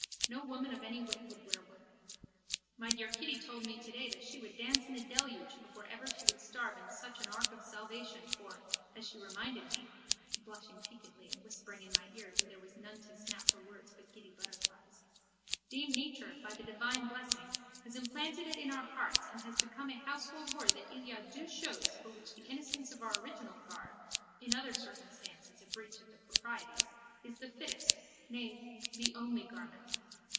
No woman of any wit would wear one. My dear Kitty told me today that she would dance in a deluge before ever she would starve in such an ark of salvation for, as she reminded me (blushing piquantly and whispering in my ear though there was none to snap her words but giddy butterflies), dame Nature, by the divine blessing, has implanted it in our hearts and it has become a household word that il y a deux choses for which the innocence of our original garb, in other circumstances a breach of the proprieties, is the fittest, nay, the only garment.